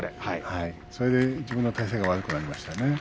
それで自分の体勢が悪くなりましたね。